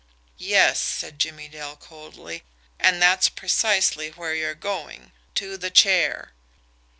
"Yes," said Jimmie Dale coldly, "and that's precisely where you're going to the chair."